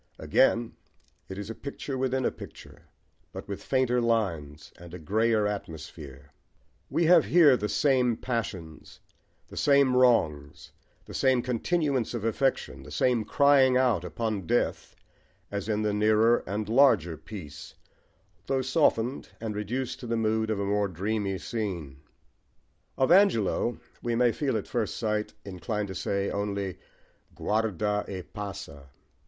Again it is a picture within a picture, but with fainter lines and a greyer atmosphere: we have here the same passions, the same wrongs, the same continuance of affection, the same crying out upon death, as in the nearer and larger piece, though softened, and reduced to the mood of a more dreamy scene. Of Angelo we may feel at first sight inclined to say only guarda e passa!